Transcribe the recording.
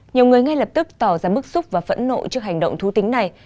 nhiều người ngay lập tức tỏ ra bức xúc và phẫn nộ trước hành động thú tính này